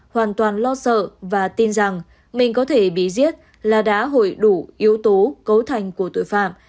hoàn toàn lo sợ và tin rằng mình có thể bị giết là đã hội đủ yếu tố cấu thành của tội phạm